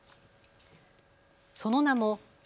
その名も＃